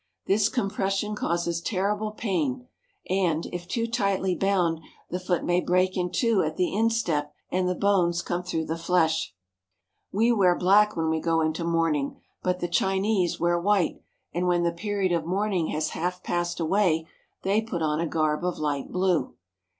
This compression causes terrible pain, and, if too tightly bound, the foot may break in two at the instep and the bones come through the flesh. A Chinaman in Full Dress. CURIOUS CHINESE CUSTOMS 173 We wear black when we go into mourning, but the Chinese wear white ; and when the period of mourning has half passed away, they put on a garb of light blue.